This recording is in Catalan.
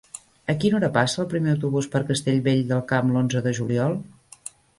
A quina hora passa el primer autobús per Castellvell del Camp l'onze de juliol?